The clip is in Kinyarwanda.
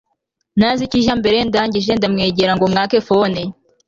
ntazi ikijya mbere ndangije ndamwegera ngo mwake phone